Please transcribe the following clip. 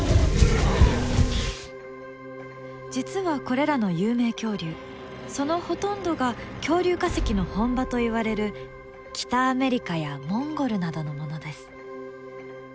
実はこれらの有名恐竜そのほとんどが恐竜化石の本場といわれる北アメリカやモンゴルなどのものです。